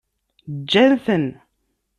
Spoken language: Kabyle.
Ǧǧan-ten.